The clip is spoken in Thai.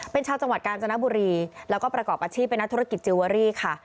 เป็นชาวจังหวัดกาญจนบุรีแล้วก็ประกอบอาชีพเป็นนักธุรกิจจิลเวอรี่ค่ะ